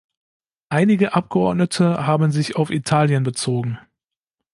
Einige Abgeordnete haben sich auf Italien bezogen.